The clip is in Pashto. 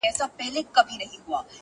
پيکه ښکارم نړۍ ته ستا و ساه ته درېږم,